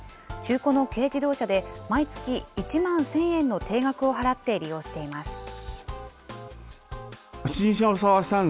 中古の軽自動車で、毎月１万１０００円の定額を払って利用しています。